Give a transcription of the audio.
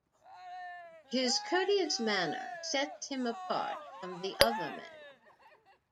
His courteous manner sets him apart from the other men.